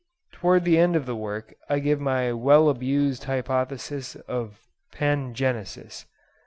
Towards the end of the work I give my well abused hypothesis of Pangenesis.